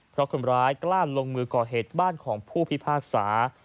เพราะคนร้ายกล้าลงมือก่อเหตุบ้านของผู้พิพากษา